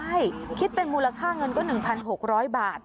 ใช่คิดเป็นมูลค่าเงินก็๑๖๐๐บาท